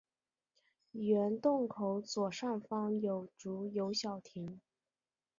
原洞口左上方有竹有小亭。